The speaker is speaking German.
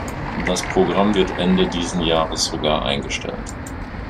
Das Programm wird Ende diesen Jahres sogar eingestellt.